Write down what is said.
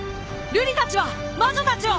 瑠璃たちは魔女たちを！